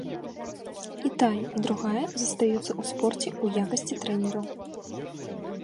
І тая, і другая застаюцца ў спорце ў якасці трэнераў.